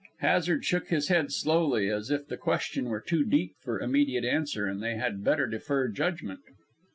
Hazard shook his head slowly, as if the question were too deep for immediate answer and they had better defer judgment.